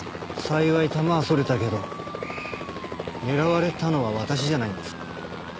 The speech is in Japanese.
幸い弾はそれたけど狙われたのは私じゃないんですか？